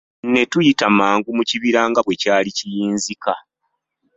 Ne tuyita mangu mu kibira nga bwe kyali kiyinzika.